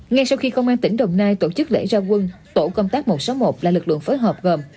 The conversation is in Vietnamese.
ngay sau khi công an tỉnh đồng nai tổ chức lễ ra quân tổ công tác một trăm sáu mươi một là lực lượng phối hợp gồm